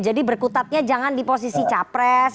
jadi berkutatnya jangan di posisi capres